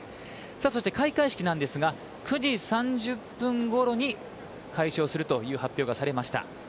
開会式なんですが９時３０分ごろに開始をするという発表がされました。